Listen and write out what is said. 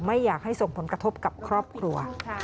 ไม่อยากให้ส่งผลกระทบกับครอบครัว